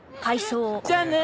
じゃあね。